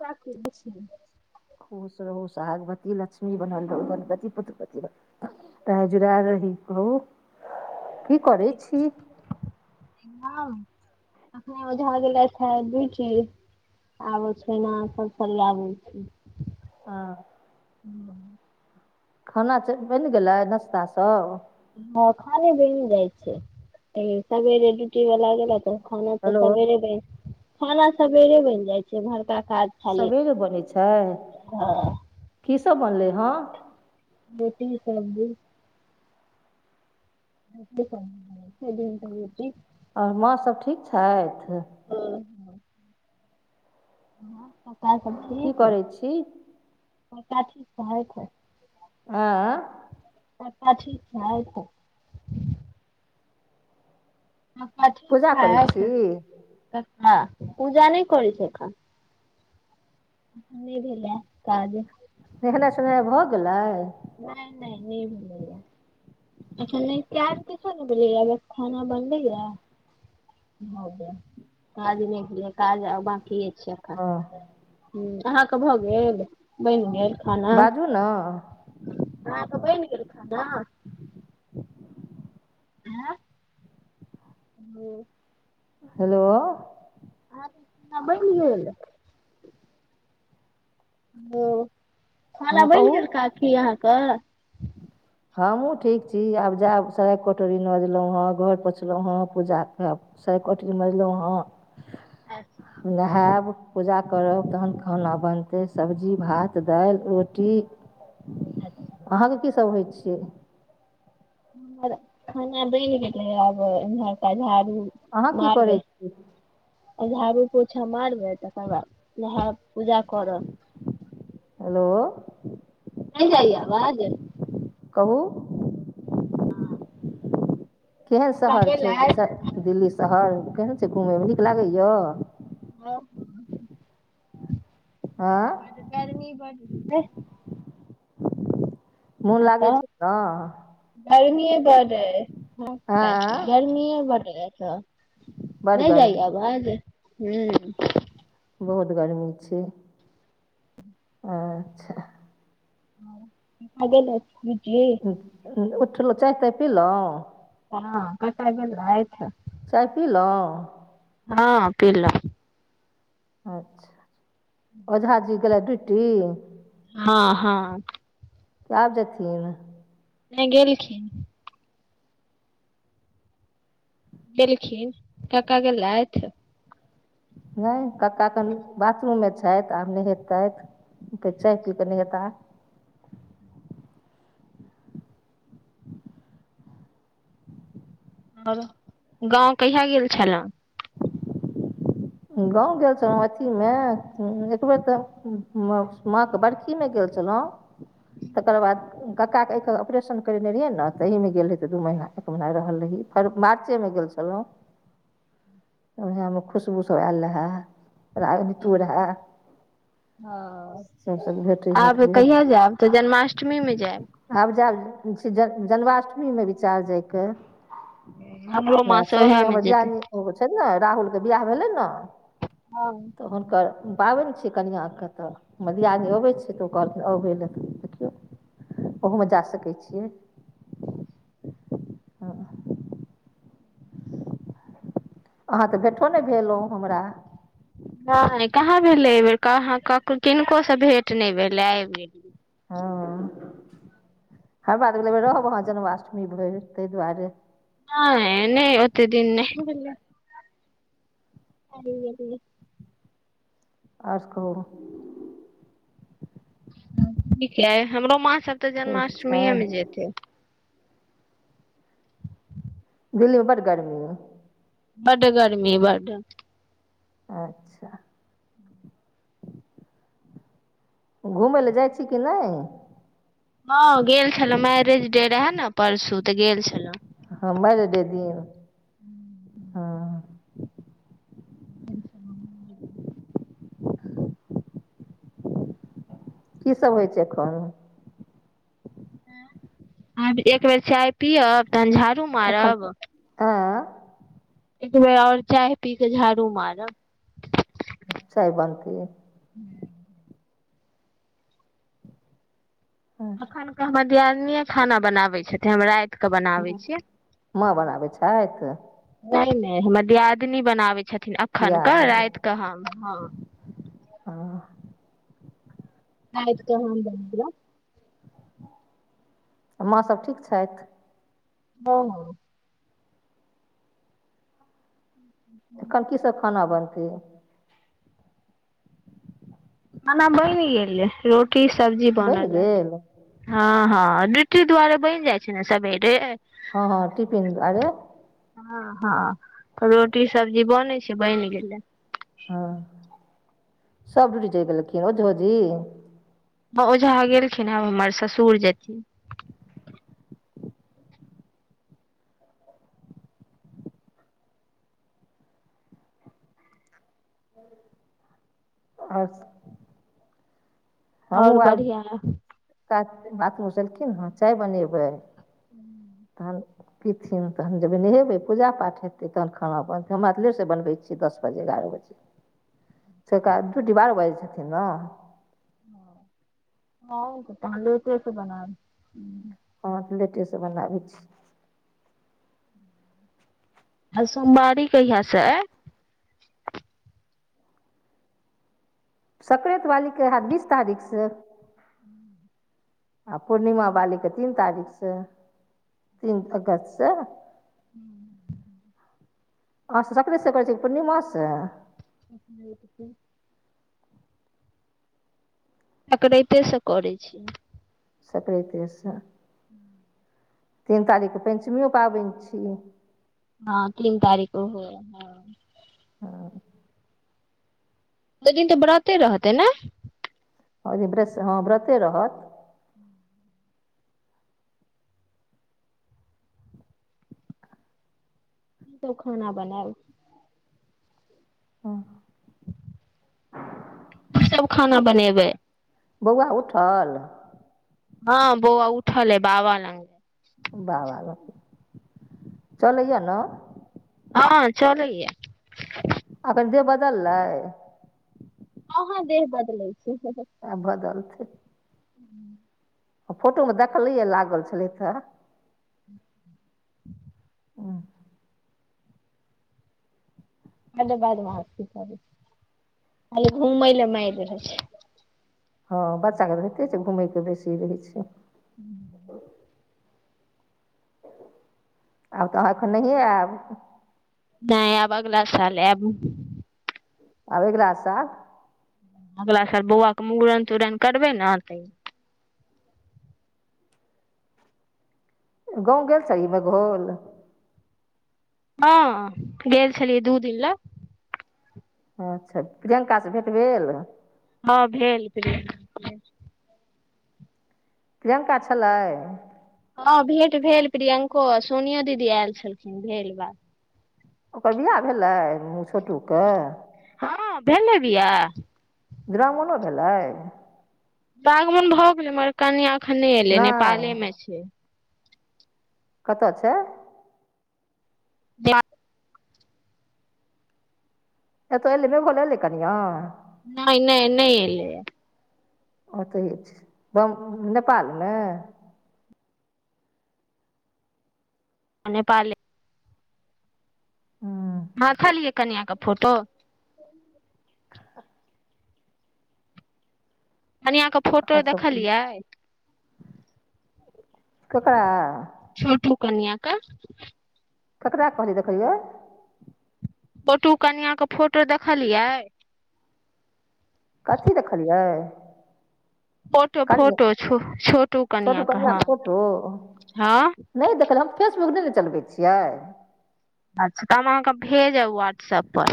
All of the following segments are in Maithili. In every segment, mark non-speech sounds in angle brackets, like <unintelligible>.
काकी दस खुश रहु स भागवती लक्ष्मी बनल रहु स्वहागवती पुत्रवति तऽ हजरा रहिकहू करै छी ह एखने ओझा गेले छै दूची आबै ओच्छइना आ सब सरिआबै छै हँ ह खाना बनि गेलै नाश्ता सब हँ खाने बैने जाइ छै सबरे डटला खाना तऽ हेलो सबेरे बैन खाना सबेरे बैन जाइ छै भोड़का काज खाली सबेरे बनै छै की सब बनलै हँ रोटी सब्जि रोटी सब्जी दिन के रोटी आ माँसभ ठीक छथि ह कका सब की ठीक करै छी कका ठिक रहैथ आँ पाच छै त का ठीक पूजा करै ठाक छी का पूजा नहि करै छैन नहि भेलै काज नेहेनाइ सुनेनाइ भऽ गेलै नहि नहि न मलै यय अखन नहि काज किच्छो नै भेलै य बस खाना बनलै य ह जा काज नहि गेल लै काज आ बकी हँ अहाँके भऽ गेल बैन गेल खाना न आहाँ के बैन गेल खाना आँ ओ हेलो आ न बनी गेलल ओ खाना हँ बनि गेल कहू काकी अहाँके हमहूँ ठीक छी आब जायब सराय कटोरी नजलहुँ हेँ घर पोछलहुँ हेँ पूजा खायब सए कोटी मजलहुँ अच्छा हँ हम नहायब पूजा करब तहन खाना बनतै सब्जी भात दालि रोटी अच्छा अहाँके की सभ होइ छियै खाना बैन गेलअइ आब घर केझाड़ू अहाँ की करै छीयै झाड़ू पोछा मारबै तकर बाद नहा पूजा करब हेलो नहि जाइये आवाज कहू हँ केहन शहर छै दिल्ली शहर केहन छै घुमयमे नीक लागैय ओ आँय बड गर्मी बड छै मोन लागै छै ने गर्मीए बढ़ आँय गर्मीए बढ़ रह छ बड्ड नहि जाइए गर्मी आबाज ह बहुत गर्मी छै ह अच्छा <unintelligible> उठलहुँ चाय ताय पीलहुँ हँ कतअ गेलअइथ चाय पीलहुँ हँ पिलउ अच्छा ओझा जी गेलै ड्यूटी हँ हँ क्यब जथिन नहि गेलखिन एलखिन कका गेलइथ नहि कक्का कन बाथरूममे छथि आब नहेतथि त चाय पीके नइ एता गाँव कहिया गेल छलहु गाँंव गेल छलहु अथी मे एक बेर तऽ माँ के बड़ गेल छलहु तकर बाद कक्काके आँइखक ऑरेशन करेने रहिए ने तऽहिमे गेल रहै तऽ दू महीना एक महीना रहल रही फेर मार्चेमे गेल छलहुँ ओहेमे खुशबू शब एल रहै राजनीतू रहै ह सभसँ भेँटी घाँट आब भेल कहिया जायब तऽ जन्माष्टमीमे जायब आब जायब ज जन्माष्टमीमे विचार जायके हमरो नहि माँ से ओएह सोनमे मे हम ब जेतै ध्यान ओ छै ने राहुल के बियाह भेलनि ने तऽ हुनकर पाबनि छियै कनिआँके तऽ हमर दियदनी अबै छै तऽ ओ कहलखन अबै लएऽ देखियौ ओहूमे जा सकैत छियै ह हँ अहाँ तऽ भेटो नहि भेलो हमरा नहि कहाँ भेलै एहिबेर कहाँ कक किनकोसँ भेट नहि भेलै आब गेलिए हँ हमरा त लागल रहब अहाँ जन्माष्टमी भरी ताहि दुआरे हँ नहि ओते दिन नय अलली आओर कहू ठीक यअइ हमरो माँ सब तऽ ठीक छै जन्माष्टमीए मे जेते दिल्ीमे बड़ गाड़ीमेँ बडड गर्मी बड अच्छा घुमय लए जाइ छी कि नहि ह गेल छलौ मैरेज डे रहे ने परसू तऽ गेल छलहु ह मजडे दिन हँ <inaudible> की सब होइ छै एखन आब एक बेर चाय पियब तहन झाड़ू मारब आ एकबर आओर चाय पी कऽ झाड़ू मारब चाय बनती हँ, अखन के हम दियदनीेय खाना बनाबे छथि हम रात के बनाबै छियै माँ बनाबै छथि नहि नहि हमर दियादनी बनाबै छथिन एखनके रात कऽ हम हँ ह आ क बन्दर आ माँसभ ठीक छथि हँ ह कथी सब खाना बनतै खाना बनि गेलै रोटी सब्जी बन बनि लए गेल हँ हँ ड्युटी दुआरे बनि जाइ छै ने सवेरे हँ हँ टिफिन दुआरे हँ हँ तब रोटी सब्जी बनै छै बनि गेले हँ सब डूटी चलि गेलखिन ओझोजी हँ ओझा गेलखिन हं अब हमर ससुर जेथि अच्छा आओर आब बढ़िआ ह कात बातमेचलखिन हँ चाय बनेबै तहन पीथिन तहन जेबै हेगे पूजा पाठ हेतै तहन खाना बनते हमरा आर के लेट सँ बनबै छियै दस बजे एगारह बजे <unintelligible> सेक ड्यूटी बारह बजै जेथिन ने ह तहन‌ लेटेस बनाब ह तऽ लेटेसँ बनाबै छी सोमवारी कहिया से सक्राइत वालीके हेत बीस तारीख से हू आ पूर्णिमा बालीके तीन तारीखसँ तीन अगस्तसँ ह <unintelligible> अ सक्रैत से करै छियै की पूर्णिमासँ अप सक्रैते सँ करै छी सकैत सँ हू तीन तारीखके पञ्चमिओ पाबनि छी हँ तीन तारीक होय न हँ ओय दिन तऽ बरते रहतै न ह हँ व्रते रहत त खाना बनाब हँ की सब खाना बनेबै बौआ उठल हँ बौआ उठल अय बाबा लंग बाबा लंग चलैया ने हँ चलैय अखन दे बदललै ह हँ देह बदलै छै आब बदलतै ह फोटो मे देखलिये लागल छलथि त <unintelligible> आर बादमाशी करै छै घूमै ल मारि रहै छै हँ बच्चाके रहिते छै घुमयके बेसी रहै छै हूँ आब तऽ अहाँ एखन नहिए आयब ने आब अगला साल आब आब अगला साल अगला साल बौआके मुड़न तूड़न करबै ने होतै गाँव गेल छहीह बघोल हँ गेल छलियै दू दिन लऽ अच्छा प्रियंकासँ भेट भेल हँ भेल भेल प्रियंका छलै हँ भेंट भेल प्रियंको सोनियो दीदी आयल छलखिन भेल बात ओकर बिआह भेलै छोटूके हँ भेले बियाह द्रामणो भेलै बागमन भऽ गेलै मगर कनि एखने एलै नहि नेपालेमे छै कत छै ब एतअ एले भोलेलै कनिया नहि नहि नहि एलै ओतह छै बम नेपाल में आ पाले हँ हँ खलियै कनआ क फोटो कनियाँ क फोटो आओर सब देखलिए ककरा छोटू कन्या क ककरा कहलियै देखैयै पोटू कनिया के फोटो देखलियै कथी देखलियै फोटो कनिआँ फोटो छ छोटू कनिआ क हँ हँ ने देखला हम फेसबुक ने न चलबै छियै अच्छा तऽ हम अहाँकेँ भेजब व्हाट्सअप पर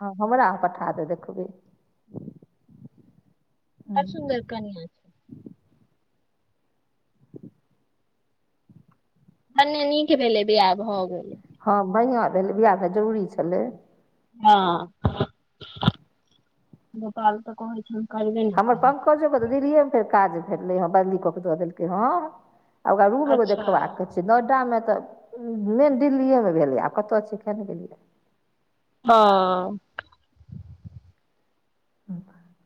हँ हमरा पठा दे देखबै ह्म बड़ सुन्दर कनिया ह कन्ने नीक भेलै बियाह भऽ गेलै हँ बढ़िआँ भेलै बिआह तऽ जरूरी छलै हँ गोपाल तऽ कहय छन हमर पंकजो ब तऽ दिल्लीएमे फेर काज भेललै हँ बन्दी कऽ केऽ दऽ देलकै ह ओकरा रूम एगो अच्छा देखबाक हँ के छै नोएडा मे त मेन दिल्लीए मे भेलै आब कत छै केन गेलियै हँ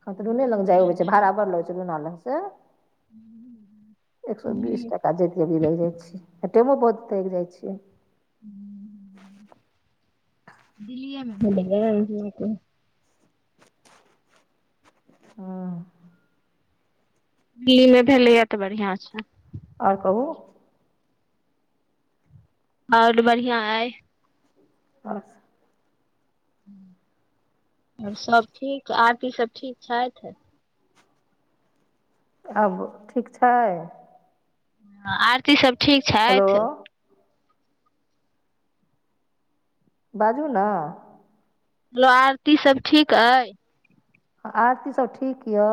ककरो ने लग जाय तहन छै तऽ भाड़ा बढ़लगै छै रूना लग से एक सए बीस दिल्ली टाका जतभी लाग जाइ छ आ टामो बहुताग जाइ छ दिल्लीए में भेलइ य हँ दिल्ली मे भेलैए त बढ़िआँ छै आओर कहू और बढ़िआं अइ <inaudible> ओर सब ठीक आर की सब ठीक छथि आब ठीक छै हाँ आरती सब ठीक हेलो छैथ बाजू ने लो आरती सब ठीक अई आरती सभ ठीक यए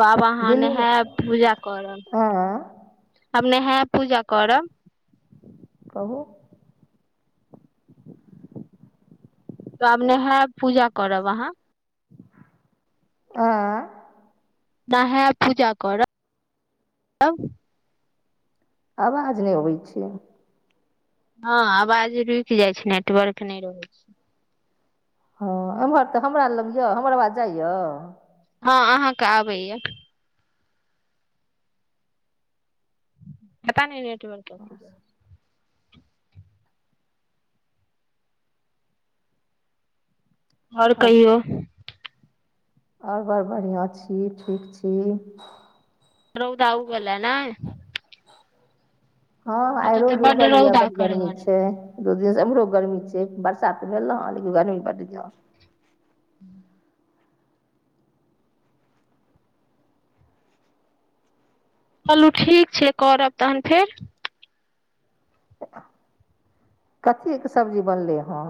बाब अहाँ दिल्लीमे नहाब पूजा करब आँय आब नेहे पूजा करब कहू तऽ आब नेहाब पूजा करब अहाँ आ नहायब पूजा करब आवाज नहि अबै छै हँ आवाज रुकि जाइ छै नेटवर्क न रहै छै हाँ एम्हर तऽ हमरा लग यए हमर आवाज जाइय हँ अहाँके आबैए पता नहि नेटवर्क आओर ओर कहियौ ओर बड़ बढ़ि छी ठीक छी रहौ दउगला ने हँ आइ रोद उगल य बड़ गरमी छै दु दिन से ऐम्हरो गर्मी छै बर्षा तऽ भेल ने लेकिन गर्मी बड जा ह <inaudible> चलू ठीक छै करब तहन फेर कथी के सब्जी बनले हे